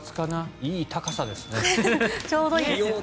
いい高さですね。